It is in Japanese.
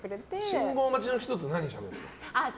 信号待ちの人と何しゃべるんですか？